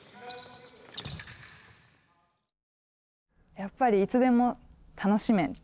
やっぱり、いつでも楽しめ。